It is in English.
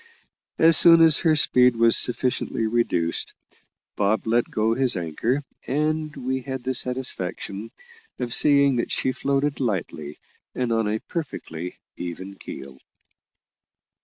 As soon as her speed was sufficiently reduced, Bob let go his anchor, and we had the satisfaction of seeing that she floated lightly and on a perfectly even keel.